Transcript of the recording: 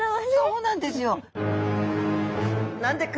そうなんですよ。